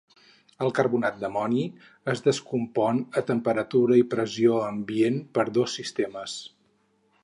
El carbonat d'amoni es descompon a temperatura i pressió ambient per dos sistemes.